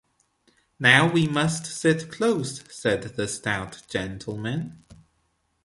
‘Now we must sit close,’ said the stout gentleman.